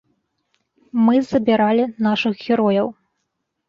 Мы забіралі нашых герояў.